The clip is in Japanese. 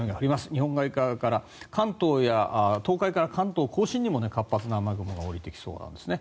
日本海側から東海や関東・甲信にも活発な雨雲が下りてきそうなんですね。